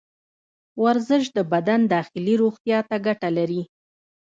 ورزش د بدن داخلي روغتیا ته ګټه لري.